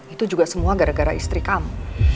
itu juga semua gara gara istri kamu